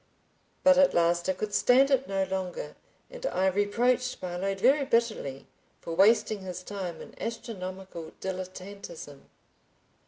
But at last I could stand it no longer, and I reproached Parload very bitterly for wasting his time in "astronomical dilettantism."